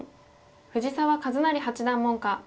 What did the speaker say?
藤澤一就八段門下。